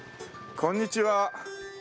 こんにちは。